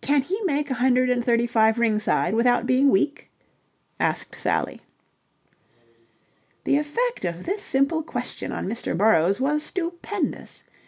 "Can he make a hundred and thirty five ringside without being weak?" asked Sally. The effect of this simple question on Mr. Burrowes was stupendous.